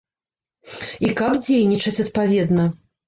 І каб дзейнічаць адпаведна.